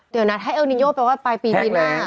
เดี๋ยวนะถ้าเอลนิโยไปว่าปีนี้ลานิยา